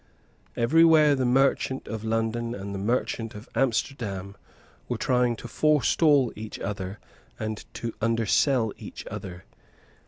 Every where the merchant of London and the merchant of Amsterdam were trying to forestall each other and to undersell each other.